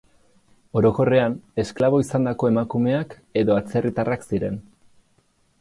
Orokorrean, esklabo izandako emakumeak edo atzerritarrak ziren.